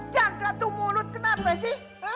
jangan kaget tuh mulut kenapa sih